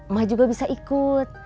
mak juga bisa ikut